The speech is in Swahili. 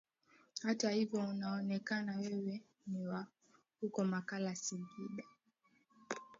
Hata hivyo unaonekana Wewe ni wa huko Mkalama Singida